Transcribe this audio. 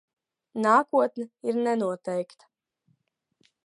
Nākotne ir nenoteikta.